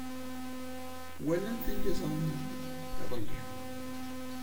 Walan tiliẓri iḍelli.